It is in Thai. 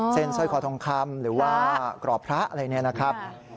เส้นช่วยขอทองคำหรือว่ากรอบพระอะไรนี้นะครับ